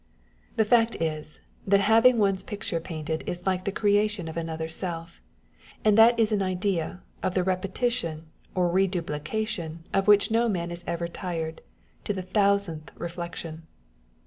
The fact is, that the having one's picture painted is like the creation of another self; and that is an idea, of the repetition or reduplication of which no man is ever tired, to the thousandth reflection.